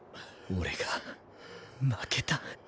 俺が負けた？